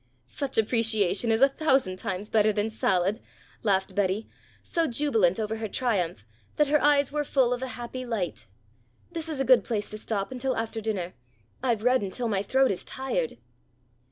"Such appreciation is a thousand times better than salad," laughed Betty, so jubilant over her triumph that her eyes were full of a happy light. "This is a good place to stop until after dinner. I've read until my throat is tired."